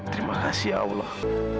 terima kasih allah